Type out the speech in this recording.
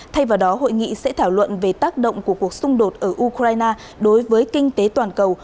thay vào đó hội nghị sẽ thảo luận về tác động của cuộc xung đột ở ukraine đối với kinh tế toàn cầu